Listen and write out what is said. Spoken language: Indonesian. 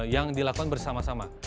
yang dilakukan bersama sama